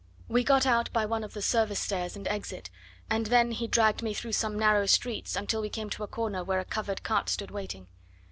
We got out by one of the service stairs and exit, and then he dragged me through some narrow streets until we came to a corner where a covered cart stood waiting.